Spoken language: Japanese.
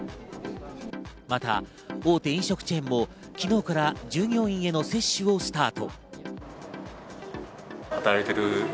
また大手飲食チェーンも昨日から従業員への接種をスタート。